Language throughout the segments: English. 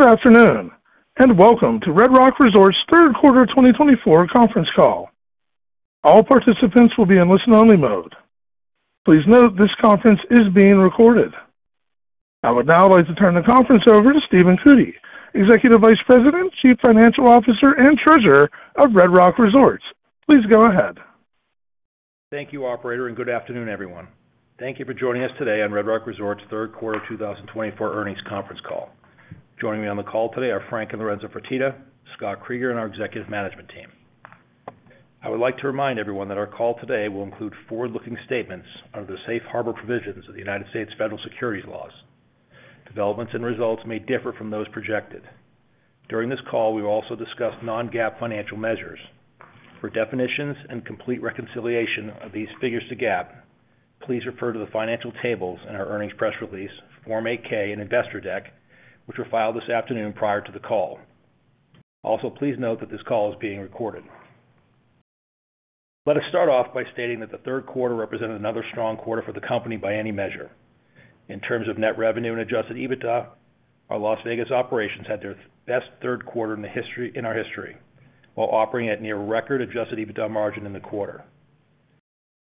Good afternoon and welcome to Red Rock Resorts' Third Quarter 2024 Conference Call. All participants will be in listen-only mode. Please note this conference is being recorded. I would now like to turn the conference over to Stephen Cootey, Executive Vice President, Chief Financial Officer, and Treasurer of Red Rock Resorts. Please go ahead. Thank you, Operator, and good afternoon, everyone. Thank you for joining us today on Red Rock Resorts' Third Quarter 2024 Earnings Conference Call. Joining me on the call today are Frank and Lorenzo Fertitta, Scott Kreeger, and our Executive Management Team. I would like to remind everyone that our call today will include forward-looking statements under the safe harbor provisions of the United States Federal Securities Laws. Developments and results may differ from those projected. During this call, we will also discuss non-GAAP financial measures. For definitions and complete reconciliation of these figures to GAAP, please refer to the financial tables in our earnings press release, Form 8-K, and investor deck, which were filed this afternoon prior to the call. Also, please note that this call is being recorded. Let us start off by stating that the third quarter represented another strong quarter for the company by any measure. In terms of net revenue and Adjusted EBITDA, our Las Vegas operations had their best third quarter in our history, while operating at near-record Adjusted EBITDA margin in the quarter.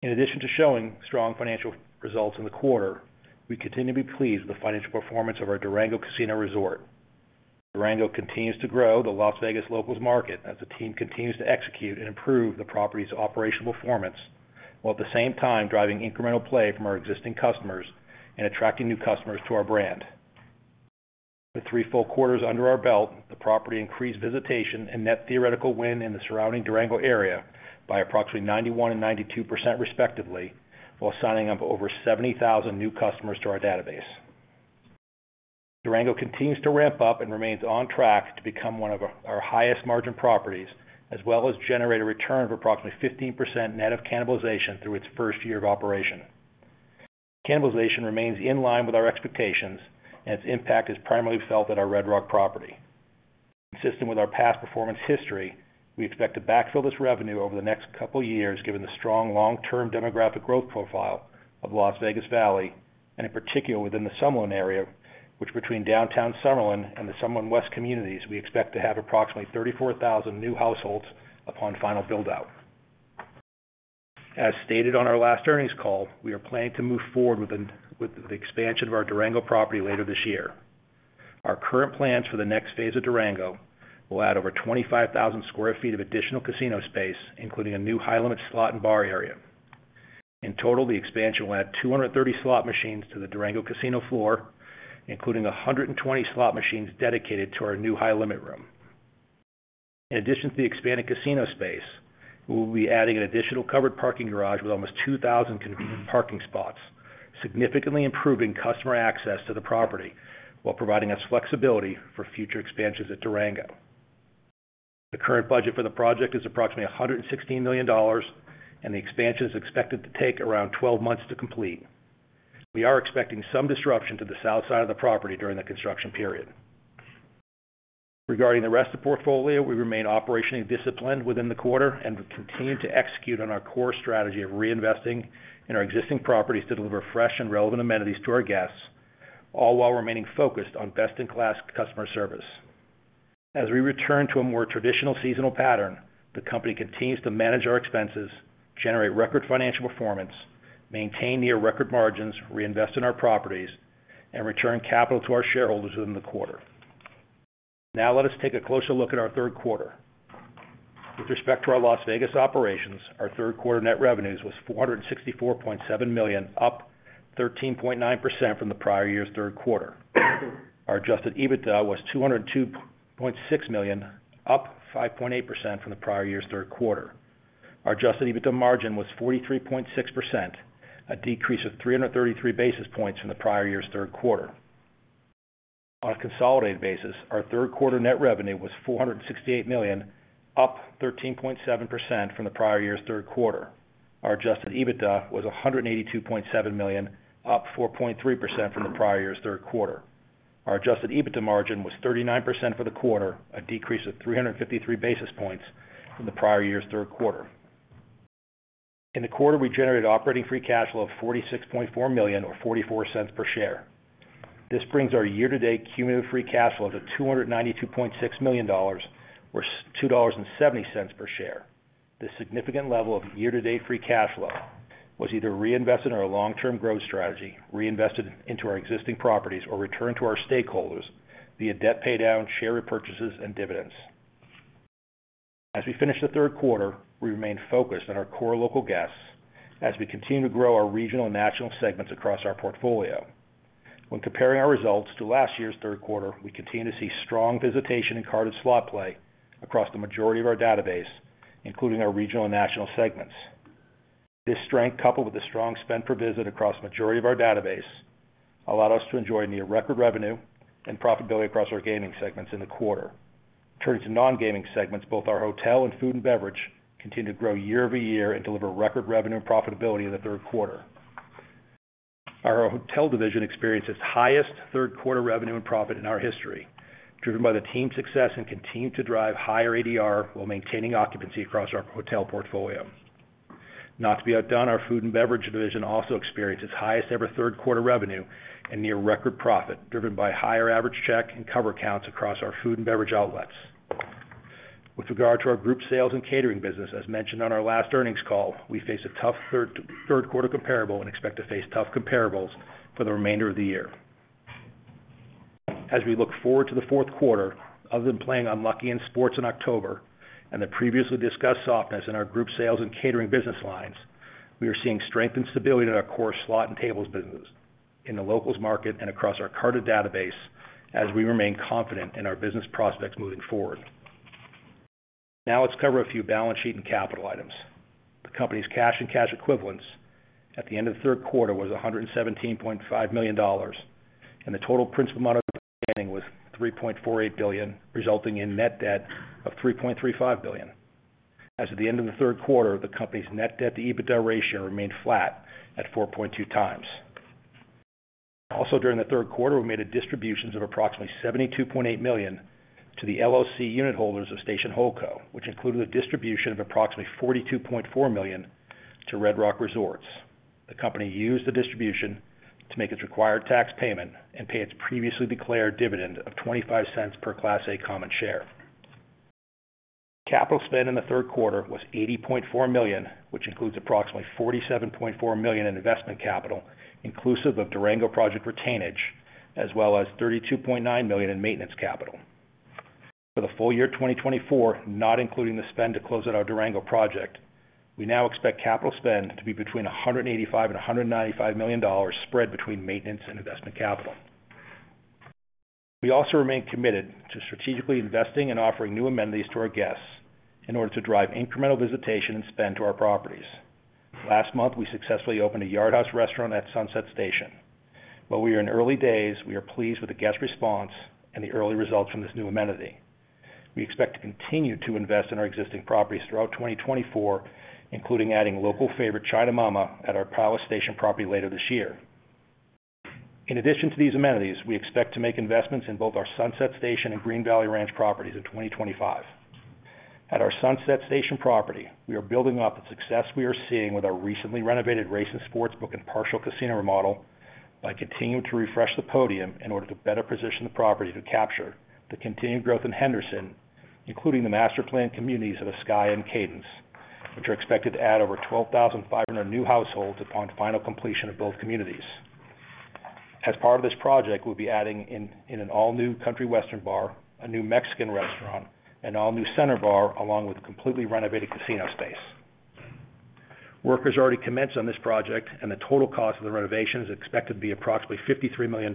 In addition to showing strong financial results in the quarter, we continue to be pleased with the financial performance of our Durango Casino Resort. Durango continues to grow the Las Vegas locals' market as the team continues to execute and improve the property's operational performance, while at the same time driving incremental play from our existing customers and attracting new customers to our brand. With three full quarters under our belt, the property increased visitation and net theoretical win in the surrounding Durango area by approximately 91% and 92%, respectively, while signing up over 70,000 new customers to our database. Durango continues to ramp up and remains on track to become one of our highest margin properties, as well as generate a return of approximately 15% net of cannibalization through its first year of operation. Cannibalization remains in line with our expectations, and its impact is primarily felt at our Red Rock property. Consistent with our past performance history, we expect to backfill this revenue over the next couple of years, given the strong long-term demographic growth profile of Las Vegas Valley, and in particular within the Summerlin area, which between Downtown Summerlin and the Summerlin West communities, we expect to have approximately 34,000 new households upon final build-out. As stated on our last earnings call, we are planning to move forward with the expansion of our Durango property later this year. Our current plans for the next phase of Durango will add over 25,000 sq ft of additional casino space, including a new high-limit slot and bar area. In total, the expansion will add 230 slot machines to the Durango Casino floor, including 120 slot machines dedicated to our new high-limit room. In addition to the expanded casino space, we will be adding an additional covered parking garage with almost 2,000 convenient parking spots, significantly improving customer access to the property while providing us flexibility for future expansions at Durango. The current budget for the project is approximately $116 million, and the expansion is expected to take around 12 months to complete. We are expecting some disruption to the south side of the property during the construction period. Regarding the rest of the portfolio, we remain operationally disciplined within the quarter and continue to execute on our core strategy of reinvesting in our existing properties to deliver fresh and relevant amenities to our guests, all while remaining focused on best-in-class customer service. As we return to a more traditional seasonal pattern, the company continues to manage our expenses, generate record financial performance, maintain near-record margins, reinvest in our properties, and return capital to our shareholders within the quarter. Now, let us take a closer look at our third quarter. With respect to our Las Vegas operations, our third quarter net revenues was $464.7 million, up 13.9% from the prior year's third quarter. Our adjusted EBITDA was $202.6 million, up 5.8% from the prior year's third quarter. Our adjusted EBITDA margin was 43.6%, a decrease of 333 basis points from the prior year's third quarter. On a consolidated basis, our third quarter net revenue was $468 million, up 13.7% from the prior year's third quarter. Our Adjusted EBITDA was $182.7 million, up 4.3% from the prior year's third quarter. Our Adjusted EBITDA margin was 39% for the quarter, a decrease of 353 basis points from the prior year's third quarter. In the quarter, we generated Operating Free Cash Flow of $46.4 million, or $0.44 per share. This brings our year-to-date cumulative free cash flow to $292.6 million, or $2.70 per share. This significant level of year-to-date free cash flow was either reinvested in our long-term growth strategy, reinvested into our existing properties, or returned to our stakeholders via debt paydown, share repurchases, and dividends. As we finish the third quarter, we remain focused on our core local guests as we continue to grow our regional and national segments across our portfolio. When comparing our results to last year's third quarter, we continue to see strong visitation and carded slot play across the majority of our database, including our regional and national segments. This strength, coupled with the strong spend-per-visit across the majority of our database, allowed us to enjoy near-record revenue and profitability across our gaming segments in the quarter. Turning to non-gaming segments, both our hotel and food and beverage continue to grow year over year and deliver record revenue and profitability in the third quarter. Our hotel division experienced its highest third-quarter revenue and profit in our history, driven by the team's success and continued to drive higher ADR while maintaining occupancy across our hotel portfolio. Not to be outdone, our food and beverage division also experienced its highest-ever third-quarter revenue and near-record profit, driven by higher average check and cover accounts across our food and beverage outlets. With regard to our group sales and catering business, as mentioned on our last earnings call, we face a tough third-quarter comparable and expect to face tough comparables for the remainder of the year. As we look forward to the fourth quarter, other than playing unlucky in sports in October and the previously discussed softness in our group sales and catering business lines, we are seeing strength and stability in our core slot and tables business, in the locals' market, and across our carded database as we remain confident in our business prospects moving forward. Now, let's cover a few balance sheet and capital items. The company's cash and cash equivalents at the end of the third quarter was $117.5 million, and the total principal amount of outstanding was $3.48 billion, resulting in net debt of $3.35 billion. As of the end of the third quarter, the company's net debt-to-EBITDA ratio remained flat at 4.2 times. Also, during the third quarter, we made a distribution of approximately $72.8 million to the LLC unit holders of Station Holdco, which included a distribution of approximately $42.4 million to Red Rock Resorts. The company used the distribution to make its required tax payment and pay its previously declared dividend of $0.25 per Class A common share. Capital spend in the third quarter was $80.4 million, which includes approximately $47.4 million in investment capital, inclusive of Durango project retainage, as well as $32.9 million in maintenance capital. For the full year 2024, not including the spend to close out our Durango project, we now expect capital spend to be between $185 and $195 million spread between maintenance and investment capital. We also remain committed to strategically investing and offering new amenities to our guests in order to drive incremental visitation and spend to our properties. Last month, we successfully opened a Yard House restaurant at Sunset Station. While we are in early days, we are pleased with the guest response and the early results from this new amenity. We expect to continue to invest in our existing properties throughout 2024, including adding local favorite China Mama at our Palace Station property later this year. In addition to these amenities, we expect to make investments in both our Sunset Station and Green Valley Ranch properties in 2025. At our Sunset Station property, we are building up the success we are seeing with our recently renovated Race and Sports Book and partial casino remodel by continuing to refresh the podium in order to better position the property to capture the continued growth in Henderson, including the master plan communities of Ascaya and Cadence, which are expected to add over 12,500 new households upon final completion of both communities. As part of this project, we'll be adding in an all-new Country Western bar, a new Mexican restaurant, an all-new center bar, along with completely renovated casino space. Workers already commenced on this project, and the total cost of the renovation is expected to be approximately $53 million.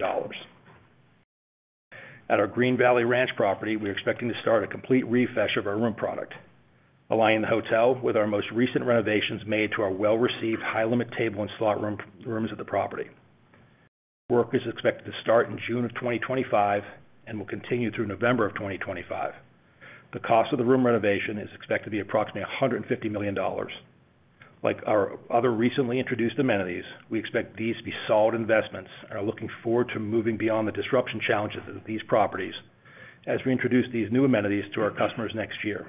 At our Green Valley Ranch property, we are expecting to start a complete refresh of our room product, aligning the hotel with our most recent renovations made to our well-received high-limit table and slot rooms at the property. Work is expected to start in June of 2025 and will continue through November of 2025. The cost of the room renovation is expected to be approximately $150 million. Like our other recently introduced amenities, we expect these to be solid investments and are looking forward to moving beyond the disruption challenges of these properties as we introduce these new amenities to our customers next year.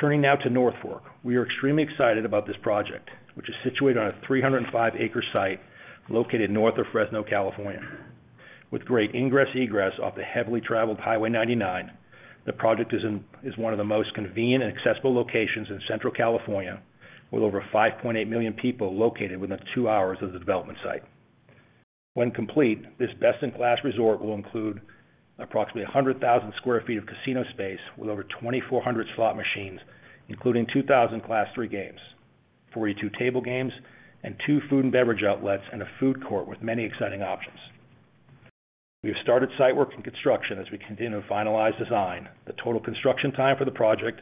Turning now to North Fork, we are extremely excited about this project, which is situated on a 305-acre site located north of Fresno, California. With great ingress/egress off the heavily traveled Highway 99, the project is one of the most convenient and accessible locations in Central California, with over 5.8 million people located within two hours of the development site. When complete, this best-in-class resort will include approximately 100,000 sq ft of casino space with over 2,400 slot machines, including 2,000 Class III games, 42 table games, and two food and beverage outlets and a food court with many exciting options. We have started site work and construction as we continue to finalize design. The total construction time for the project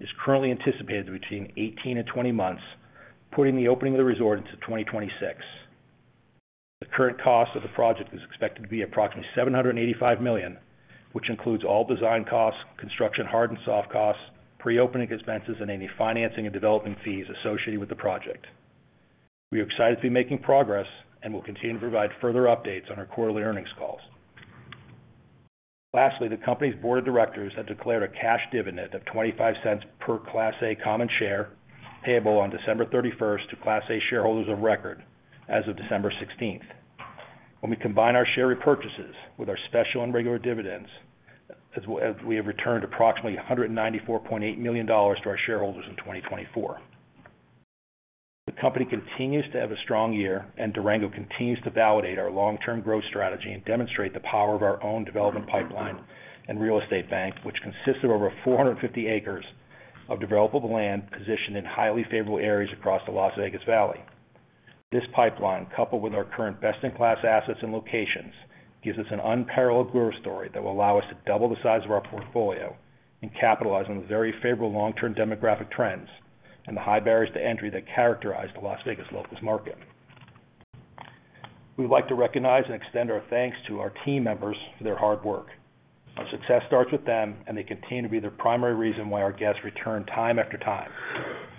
is currently anticipated to be between 18 and 20 months, putting the opening of the resort into 2026. The current cost of the project is expected to be approximately $785 million, which includes all design costs, construction hard and soft costs, pre-opening expenses, and any financing and developing fees associated with the project. We are excited to be making progress and will continue to provide further updates on our quarterly earnings calls. Lastly, the company's board of directors has declared a cash dividend of $0.25 per Class A common share payable on December 31st to Class A shareholders of record as of December 16th. When we combine our share repurchases with our special and regular dividends, we have returned approximately $194.8 million to our shareholders in 2024. The company continues to have a strong year, and Durango continues to validate our long-term growth strategy and demonstrate the power of our own development pipeline and real estate bank, which consists of over 450 acres of developable land positioned in highly favorable areas across the Las Vegas Valley. This pipeline, coupled with our current best-in-class assets and locations, gives us an unparalleled growth story that will allow us to double the size of our portfolio and capitalize on the very favorable long-term demographic trends and the high barriers to entry that characterize the Las Vegas locals' market. We would like to recognize and extend our thanks to our team members for their hard work. Our success starts with them, and they continue to be the primary reason why our guests return time after time. We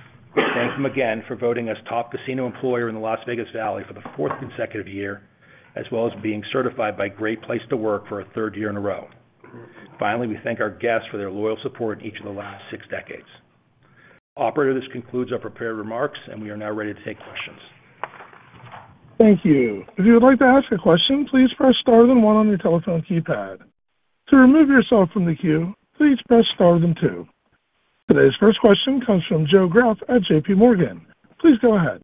thank them again for voting us top casino employer in the Las Vegas Valley for the fourth consecutive year, as well as being certified by Great Place to Work for a third year in a row. Finally, we thank our guests for their loyal support in each of the last six decades. Operator, this concludes our prepared remarks, and we are now ready to take questions. Thank you. If you would like to ask a question, please press star then one on your telephone keypad. To remove yourself from the queue, please press star then two. Today's first question comes from Joe Greff at JPMorgan. Please go ahead.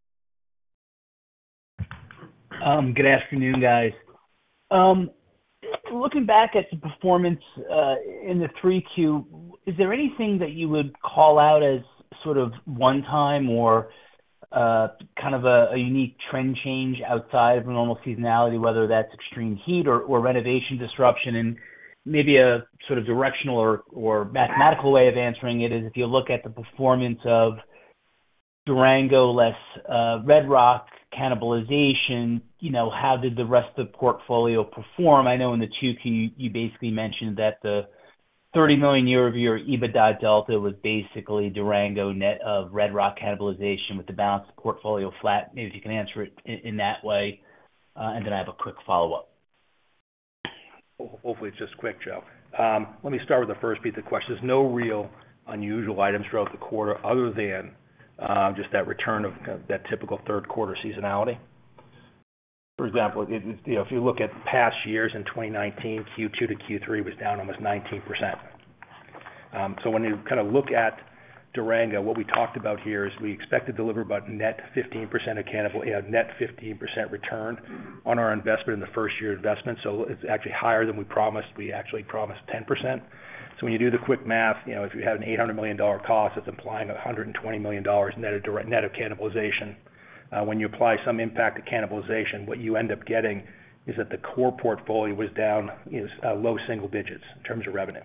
Good afternoon, guys. Looking back at the performance in the 3Q, is there anything that you would call out as sort of one-time or kind of a unique trend change outside of normal seasonality, whether that's extreme heat or renovation disruption? And maybe a sort of directional or mathematical way of answering it is if you look at the performance of Durango less Red Rock cannibalization, how did the rest of the portfolio perform? I know in the 2Q, you basically mentioned that the $30 million year-over-year EBITDA delta was basically Durango net of Red Rock cannibalization with the balance of portfolio flat. Maybe if you can answer it in that way. And then I have a quick follow-up. Hopefully, it's just quick, Joe. Let me start with the first piece of questions. There's no real unusual items throughout the quarter other than just that return of that typical third-quarter seasonality. For example, if you look at past years in 2019, Q2 to Q3 was down almost 19%. So when you kind of look at Durango, what we talked about here is we expect to deliver about net 15% return on our investment in the first-year investment. So it's actually higher than we promised. We actually promised 10%. When you do the quick math, if you have an $800 million cost, that's implying $120 million net of cannibalization. When you apply some impact to cannibalization, what you end up getting is that the core portfolio was down low single digits in terms of revenue.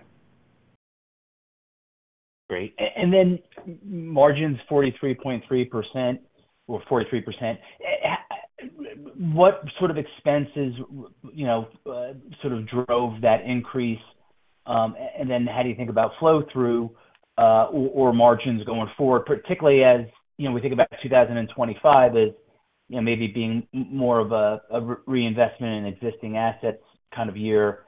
Great. And then margins 43.3% or 43%. What sort of expenses sort of drove that increase? And then how do you think about flow-through or margins going forward, particularly as we think about 2025 as maybe being more of a reinvestment in existing assets kind of year?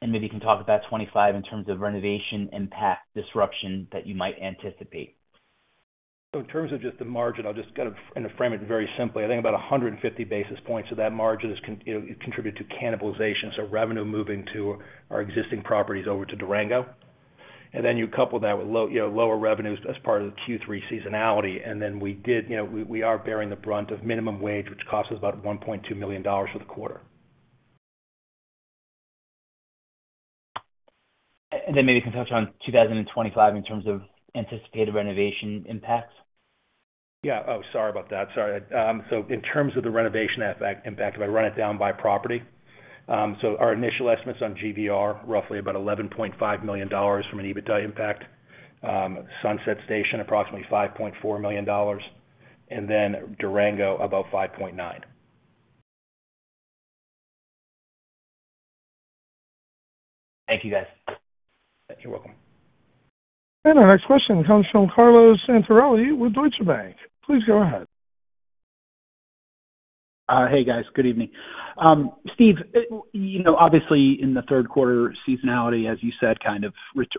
And maybe you can talk about 2025 in terms of renovation impact disruption that you might anticipate. So in terms of just the margin, I'll just kind of frame it very simply. I think about 150 basis points of that margin has contributed to cannibalization, so revenue moving to our existing properties over to Durango. And then you couple that with lower revenues as part of the Q3 seasonality. And then we are bearing the brunt of minimum wage, which costs us about $1.2 million for the quarter. And then maybe you can touch on 2025 in terms of anticipated renovation impacts. Yeah. Oh, sorry about that. Sorry. So in terms of the renovation impact, if I run it down by property, so our initial estimates on GVR, roughly about $11.5 million from an EBITDA impact. Sunset Station, approximately $5.4 million. And then Durango, about $5.9 million. Thank you, guys. You're welcome. And our next question comes from Carlo Santarelli with Deutsche Bank. Please go ahead. Hey, guys. Good evening. Steve, obviously, in the third-quarter seasonality, as you said, kind of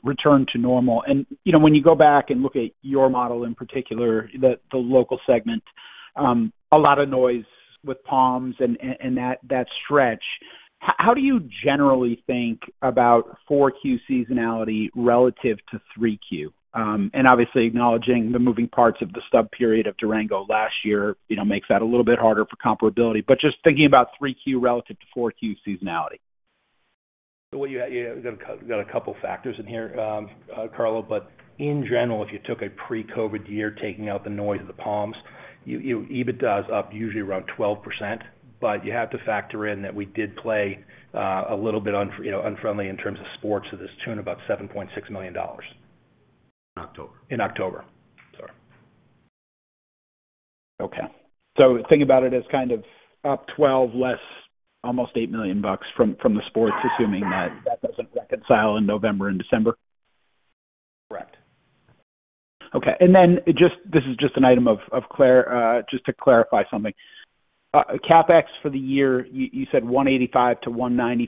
returned to normal. And when you go back and look at your model in particular, the local segment, a lot of noise with Palms and that stretch. How do you generally think about four Q seasonality relative to three Q? And obviously, acknowledging the moving parts of the stub period of Durango last year makes that a little bit harder for comparability. But just thinking about three Q relative to four Q seasonality. So we've got a couple of factors in here, Carlo. But in general, if you took a pre-COVID year, taking out the noise of the Palms, EBITDA is up usually around 12%. But you have to factor in that we did play a little bit unfriendly in terms of sports to this tune of about $7.6 million in October. Sorry. Okay. So think about it as kind of up $12 million, less almost $8 million from the sports, assuming that that doesn't reconcile in November and December. Correct. Okay. And then this is just an item of just to clarify something. CapEx for the year, you said $185 million-$195 million.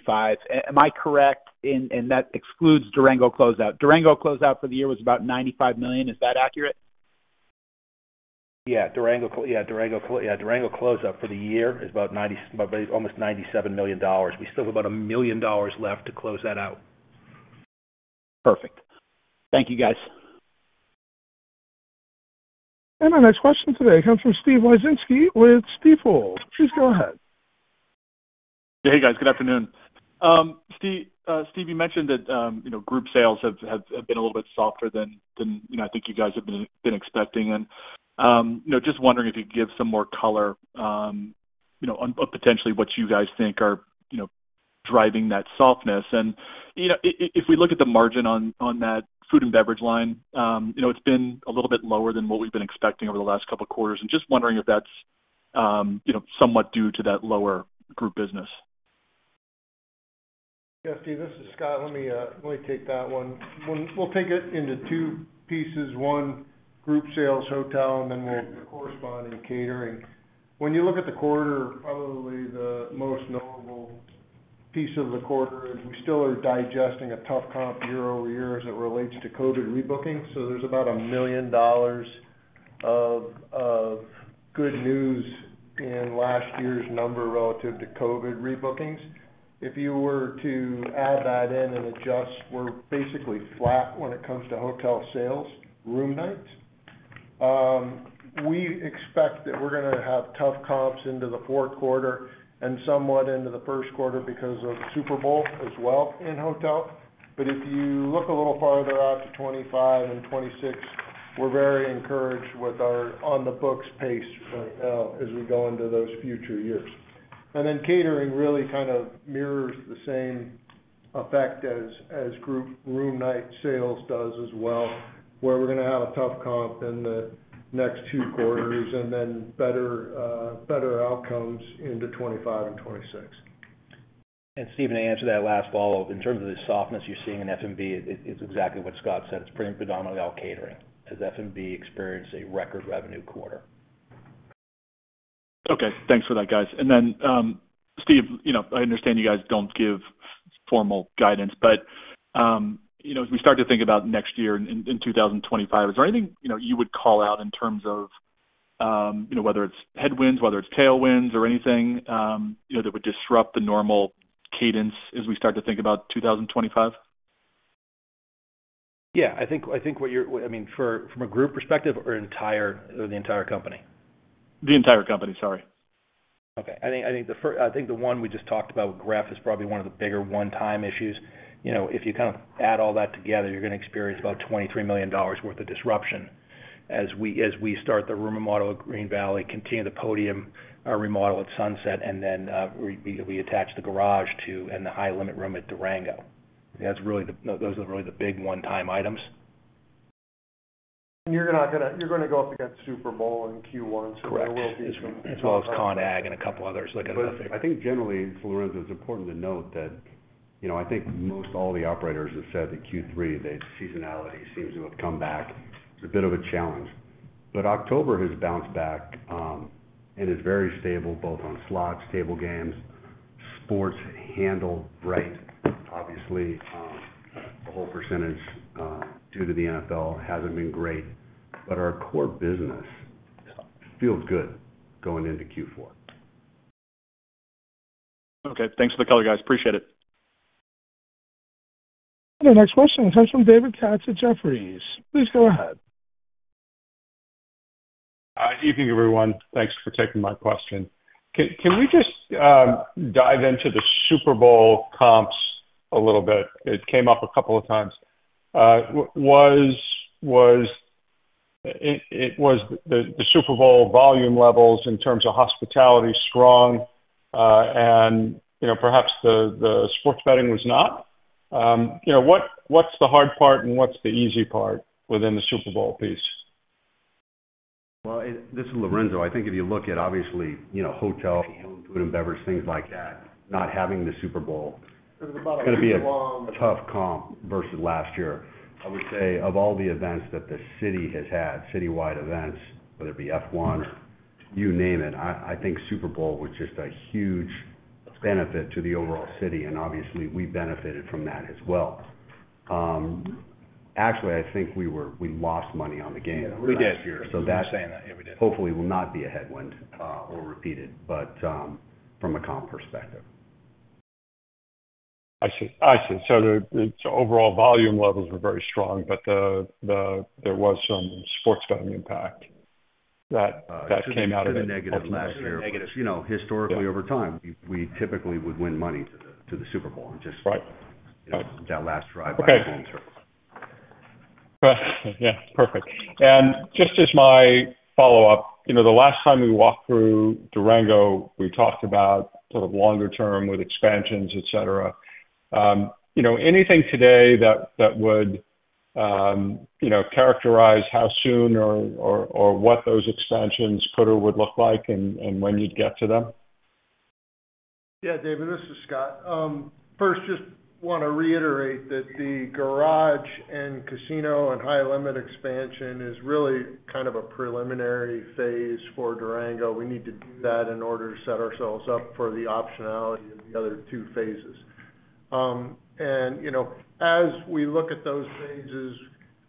Am I correct? And that excludes Durango closeout. Durango closeout for the year was about $95 million. Is that accurate? Yeah. Durango closeout for the year is about almost $97 million. We still have about $1 million left to close that out. Perfect. Thank you, guys. And our next question today comes from Steve Wieczynski with Stifel. Please go ahead. Hey, guys. Good afternoon. Steve, you mentioned that group sales have been a little bit softer than I think you guys have been expecting. Just wondering if you could give some more color on potentially what you guys think are driving that softness. If we look at the margin on that food and beverage line, it's been a little bit lower than what we've been expecting over the last couple of quarters. Just wondering if that's somewhat due to that lower group business. Yeah. Steve, this is Scott. Let me take that one. We'll take it into two pieces. One, group sales, hotel, and then corresponding catering. When you look at the quarter, probably the most notable piece of the quarter is we still are digesting a tough comp year over year as it relates to COVID rebooking. So there's about $1 million of good news in last year's number relative to COVID rebookings. If you were to add that in and adjust, we're basically flat when it comes to hotel sales, room nights. We expect that we're going to have tough comps into the fourth quarter and somewhat into the first quarter because of Super Bowl as well in hotel. But if you look a little farther out to 2025 and 2026, we're very encouraged with our on-the-books pace right now as we go into those future years. And then catering really kind of mirrors the same effect as group room night sales does as well, where we're going to have a tough comp in the next two quarters and then better outcomes into 2025 and 2026. And Steve, may I answer that last follow-up? In terms of the softness you're seeing in F&B, it's exactly what Scott said. It's predominantly all catering as F&B experienced a record revenue quarter. Okay. Thanks for that, guys. And then, Steve, I understand you guys don't give formal guidance, but as we start to think about next year in 2025, is there anything you would call out in terms of whether it's headwinds, whether it's tailwinds, or anything that would disrupt the normal cadence as we start to think about 2025? Yeah. I think what you're—I mean, from a group perspective or the entire company? The entire company, sorry. Okay. I think the one we just talked about with Greff is probably one of the bigger one-time issues. If you kind of add all that together, you're going to experience about $23 million worth of disruption as we start the room remodel at Green Valley, continue the podium remodel at Sunset, and then we attach the garage to and the high-limit room at Durango. Those are really the big one-time items. You're going to go up against Super Bowl in Q1, so there will be some. Correct. As well as CONEXPO-CON/AGG and a couple others. I think generally, for Lorenzo it's important to note that I think most all the operators have said that Q3, the seasonality seems to have come back. It's a bit of a challenge. But October has bounced back and is very stable both on slots, table games, sports handled right. Obviously, the whole percentage due to the NFL hasn't been great. But our core business feels good going into Q4. Okay. Thanks for the color, guys. Appreciate it. And our next question comes from David Katz at Jefferies. Please go ahead. Evening, everyone. Thanks for taking my question. Can we just dive into the Super Bowl comps a little bit? It came up a couple of times. Was the Super Bowl volume levels in terms of hospitality strong? And perhaps the sports betting was not? What's the hard part and what's the easy part within the Super Bowl piece? This is Lorenzo. I think if you look at obviously hotel, food and beverage, things like that, not having the Super Bowl is going to be a tough comp versus last year. I would say of all the events that the city has had, citywide events, whether it be F1 or you name it, I think Super Bowl was just a huge benefit to the overall city. And obviously, we benefited from that as well. Actually, I think we lost money on the game last year. So that hopefully will not be a headwind or repeated from a comp perspective. I see. I see. So the overall volume levels were very strong, but there was some sports betting impact that came out of that. It's been negative last year. Historically, over time, we typically would win money to the Super Bowl and just that last drive back long-term. Yeah. Perfect. And just as my follow-up, the last time we walked through Durango, we talked about sort of longer term with expansions, etc. Anything today that would characterize how soon or what those expansions could or would look like and when you'd get to them? Yeah, David, this is Scott. First, just want to reiterate that the garage and casino and high-limit expansion is really kind of a preliminary phase for Durango. We need to do that in order to set ourselves up for the optionality of the other two phases. As we look at those phases,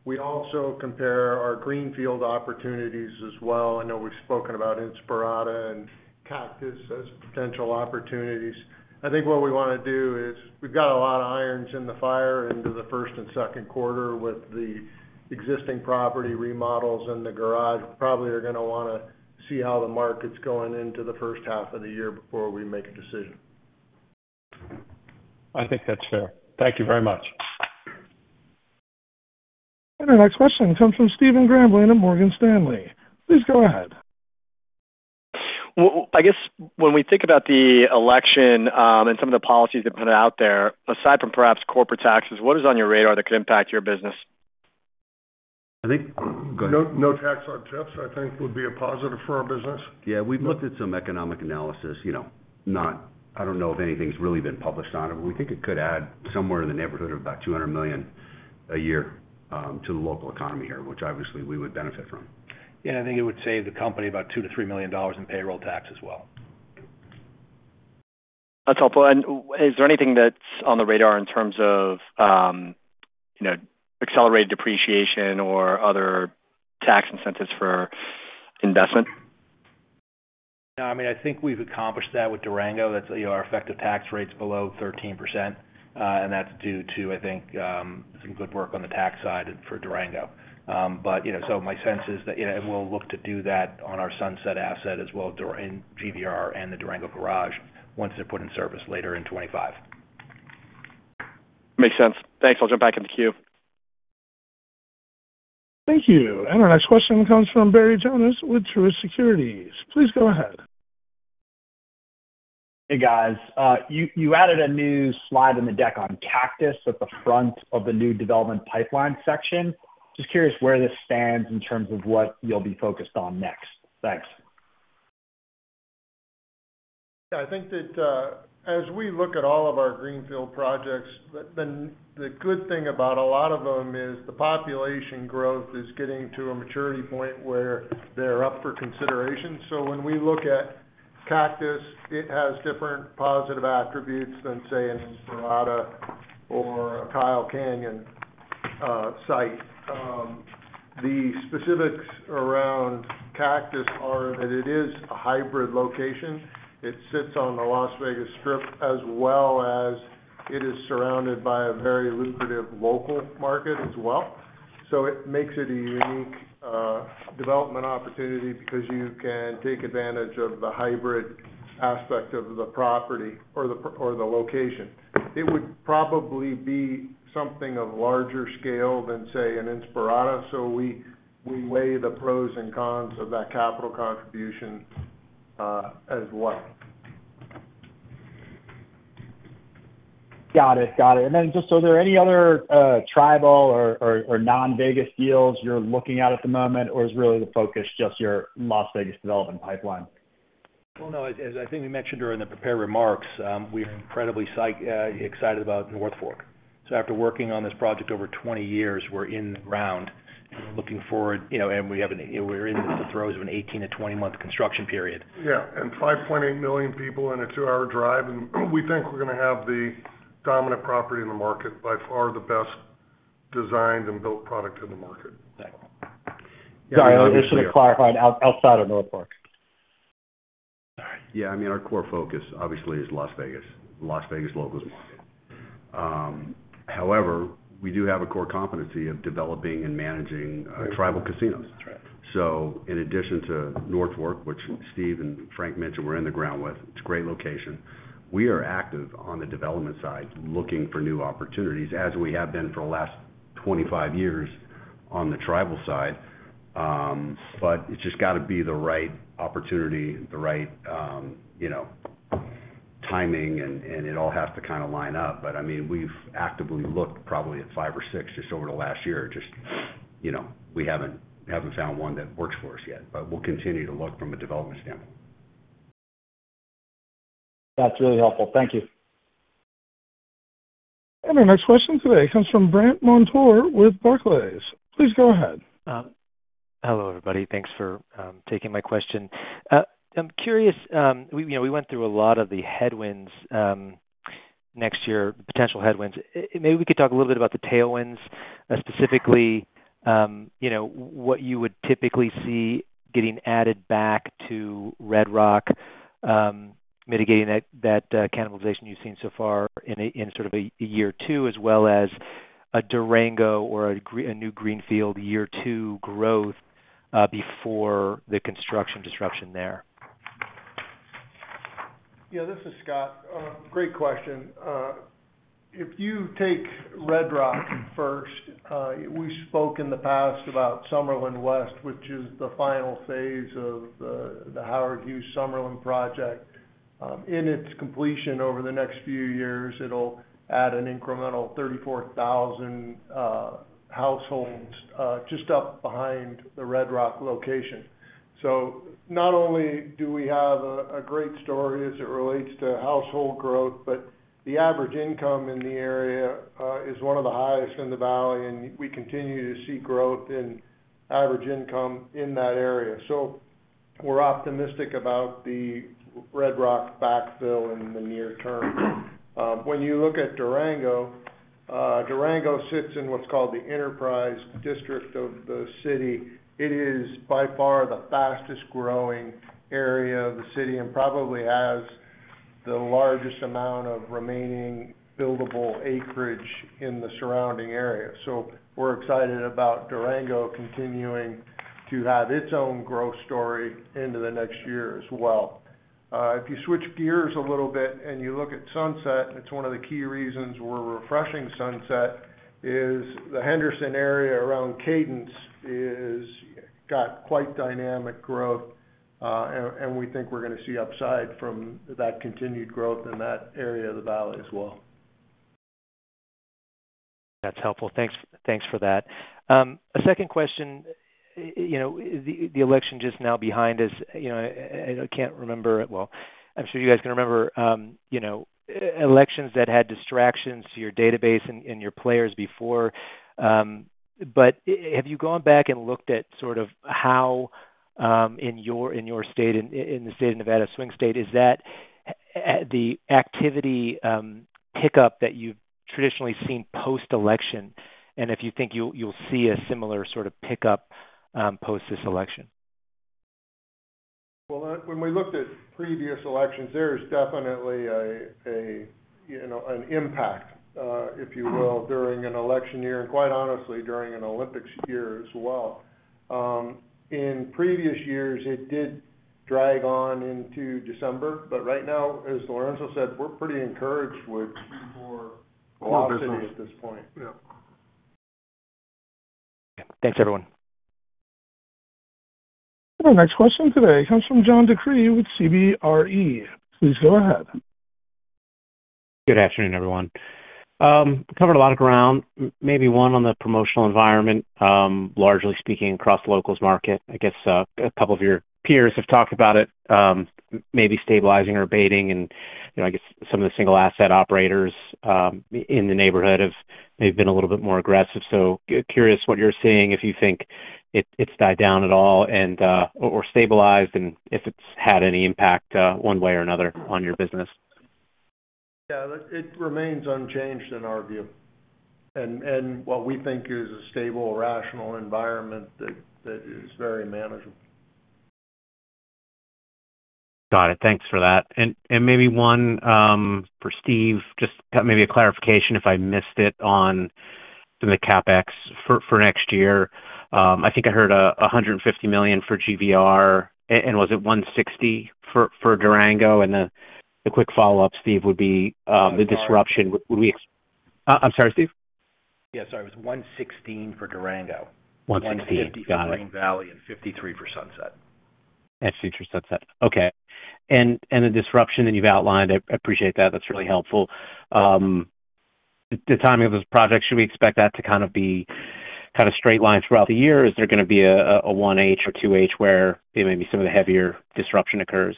we also compare our greenfield opportunities as well. I know we've spoken about Inspirada and Cactus as potential opportunities. I think what we want to do is we've got a lot of irons in the fire into the first and second quarter with the existing property remodels and the garage. Probably are going to want to see how the market's going into the first half of the year before we make a decision. I think that's fair. Thank you very much. Our next question comes from Stephen Grambling at Morgan Stanley. Please go ahead. I guess when we think about the election and some of the policies that have been put out there, aside from perhaps corporate taxes, what is on your radar that could impact your business? I think. Go ahead. No tax on tips, I think, would be a positive for our business. Yeah. We've looked at some economic analysis. I don't know if anything's really been published on it, but we think it could add somewhere in the neighborhood of about $200 million a year to the local economy here, which obviously we would benefit from. Yeah. And I think it would save the company about $2-$3 million in payroll tax as well. That's helpful. And is there anything that's on the radar in terms of accelerated depreciation or other tax incentives for investment? No. I mean, I think we've accomplished that with Durango. Our effective tax rate's below 13%. And that's due to, I think, some good work on the tax side for Durango. But so my sense is that we'll look to do that on our Sunset asset as well as GVR and the Durango garage once they're put in service later in 2025. Makes sense. Thanks. I'll jump back into que. Thank you. And our next question comes from Barry Jonas with Truist Securities. Please go ahead. Hey, guys. You added a new slide in the deck on Cactus at the front of the new development pipeline section. Just curious where this stands in terms of what you'll be focused on next. Thanks. Yeah. I think that as we look at all of our greenfield projects, the good thing about a lot of them is the population growth is getting to a maturity point where they're up for consideration. So when we look at Cactus, it has different positive attributes than, say, an Inspirada or a Kyle Canyon site. The specifics around Cactus are that it is a hybrid location. It sits on the Las Vegas Strip as well as it is surrounded by a very lucrative local market as well. So it makes it a unique development opportunity because you can take advantage of the hybrid aspect of the property or the location. It would probably be something of larger scale than, say, an Inspirada. So we weigh the pros and cons of that capital contribution as well. Got it. Got it. And then just so there are any other tribal or non-Vegas deals you're looking at at the moment, or is really the focus just your Las Vegas development pipeline? Well, no. As I think we mentioned during the prepared remarks, we are incredibly excited about North Fork. So after working on this project over 20 years, we're in the ground looking forward. We're in the throes of an 18-20-month construction period. Yeah. 5.8 million people in a two-hour drive. We think we're going to have the dominant property in the market by far the best designed and built product in the market. Exactly. Sorry. I just want to clarify outside of North Fork. Yeah. I mean, our core focus obviously is Las Vegas, Las Vegas locals market. However, we do have a core competency of developing and managing tribal casinos. So in addition to North Fork, which Steve and Frank mentioned we're in the ground with, it's a great location. We are active on the development side looking for new opportunities as we have been for the last 25 years on the tribal side. It's just got to be the right opportunity, the right timing, and it all has to kind of line up. But I mean, we've actively looked probably at five or six just over the last year. Just we haven't found one that works for us yet. But we'll continue to look from a development standpoint. That's really helpful. Thank you. And our next question today comes from Brandt Montour with Barclays. Please go ahead. Hello, everybody. Thanks for taking my question. I'm curious. We went through a lot of the headwinds next year, potential headwinds. Maybe we could talk a little bit about the tailwinds, specifically what you would typically see getting added back to Red Rock, mitigating that cannibalization you've seen so far in sort of a year or two, as well as a Durango or a new greenfield year two growth before the construction disruption there. Yeah. This is Scott. Great question. If you take Red Rock first, we spoke in the past about Summerlin West, which is the final phase of the Howard Hughes Summerlin project. In its completion over the next few years, it will add an incremental 34,000 households just up behind the Red Rock location. So not only do we have a great story as it relates to household growth, but the average income in the area is one of the highest in the valley, and we continue to see growth in average income in that area, so we're optimistic about the Red Rock backfill in the near term. When you look at Durango, Durango sits in what's called the Enterprise District of the city. It is by far the fastest growing area of the city and probably has the largest amount of remaining buildable acreage in the surrounding area. So we're excited about Durango continuing to have its own growth story into the next year as well. If you switch gears a little bit and you look at Sunset, it's one of the key reasons we're refreshing Sunset is the Henderson area around Cadence has got quite dynamic growth, and we think we're going to see upside from that continued growth in that area of the valley as well. That's helpful. Thanks for that. A second question. The election just now behind us. I can't remember it well. I'm sure you guys can remember elections that had distractions to your database and your players before, but have you gone back and looked at sort of how in your state, in the state of Nevada, swing state? Is that the activity pickup that you've traditionally seen post-election? And if you think you'll see a similar sort of pickup post this election? Well, when we looked at previous elections, there is definitely an impact, if you will, during an election year and quite honestly during an Olympics year as well. In previous years, it did drag on into December. But right now, as Lorenzo said, we're pretty encouraged with Q4 growth at this point. Yeah. Thanks, everyone. And our next question today comes from John DeCree with CBRE. Please go ahead. Good afternoon, everyone. Covered a lot of ground. Maybe one on the promotional environment, largely speaking across the locals market. I guess a couple of your peers have talked about it, maybe stabilizing or abating. And I guess some of the single asset operators in the neighborhood have maybe been a little bit more aggressive. so curious what you're seeing if you think it's died down at all or stabilized and if it's had any impact one way or another on your business. Yeah. It remains unchanged in our view. And what we think is a stable, rational environment that is very manageable. Got it. Thanks for that. And maybe one for Steve, just maybe a clarification if I missed it on the CapEx for next year. I think I heard $150 million for GVR. And was it $160 million for Durango? And the quick follow-up, Steve, would be the disruption. I'm sorry, Steve? Yeah. Sorry. It was $116 million for Durango. $116 million. Got it. And $53 million for Sunset. And $53 million for Sunset. Okay. And the disruption that you've outlined, I appreciate that. That's really helpful. The timing of those projects, should we expect that to kind of be kind of straight lines throughout the year? Is there going to be a 1H or 2H where maybe some of the heavier disruption occurs?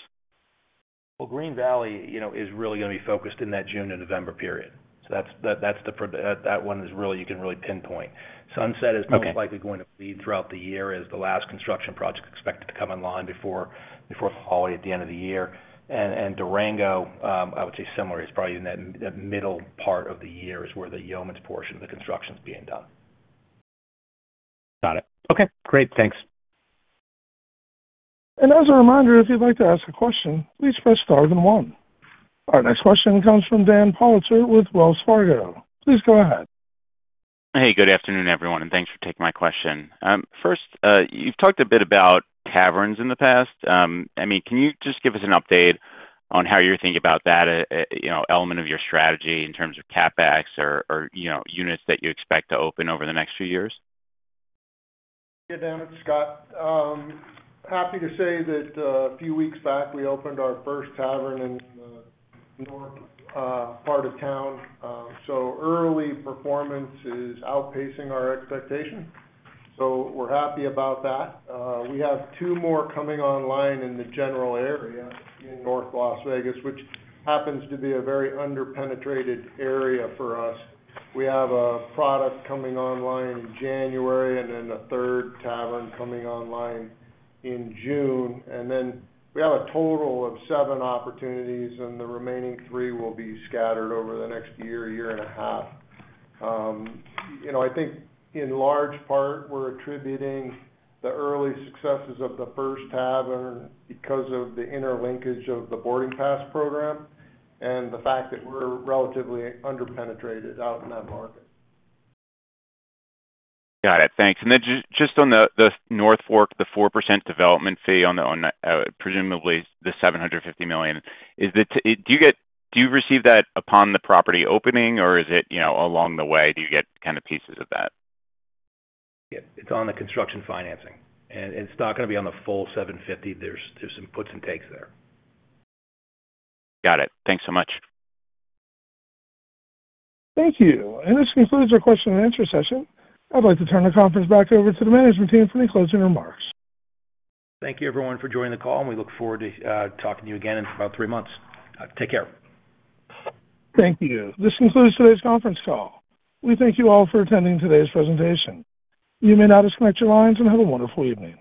Well, Green Valley is really going to be focused in that June to November period. So that one is really you can really pinpoint. Sunset is most likely going to lead throughout the year as the last construction project expected to come online before the holiday at the end of the year. And Durango, I would say similarly, is probably in that middle part of the year is where the lion's share of the construction is being done. Got it. Okay. Great. Thanks. And as a reminder, if you'd like to ask a question, please press star then one. Our next question comes from Dan Politzer with Wells Fargo. Please go ahead. Hey, good afternoon, everyone. And thanks for taking my question. First, you've talked a bit about taverns in the past. I mean, can you just give us an update on how you're thinking about that element of your strategy in terms of CapEx or units that you expect to open over the next few years? Yeah. Dan, it's Scott. Happy to say that a few weeks back, we opened our first tavern in the north part of town. So early performance is outpacing our expectation. So we're happy about that. We have two more coming online in the general area in North Las Vegas, which happens to be a very underpenetrated area for us. We have a product coming online in January and then a third tavern coming online in June. And then we have a total of seven opportunities, and the remaining three will be scattered over the next year, year and a half. I think in large part, we're attributing the early successes of the first tavern because of the interlinkage of the Boarding Pass program and the fact that we're relatively underpenetrated out in that market. Got it. Thanks. And then just on the North Fork, the 4% development fee on presumably the $750 million, do you receive that upon the property opening, or is it along the way? Do you get kind of pieces of that? Yeah. It's on the construction financing. And it's not going to be on the full $750. There's some puts and takes there. Got it. Thanks so much. Thank you. And this concludes our question and answer session. I'd like to turn the conference back over to the management team for any closing remarks. Thank you, everyone, for joining the call. And we look forward to talking to you again in about three months. Take care. Thank you. This concludes today's conference call. We thank you all for attending today's presentation. You may now disconnect your lines and have a wonderful evening.